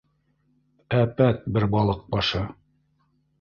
Әпәт бер балыҡ башы.